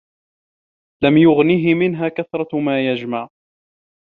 لَمْ يُغْنِهِ مِنْهَا كَثْرَةُ مَا يَجْمَعُ